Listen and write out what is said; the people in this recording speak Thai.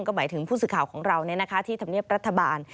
ก็หมายถึงผู้สื่อข่าวของเราที่ธรรมเนียบรัฐบาล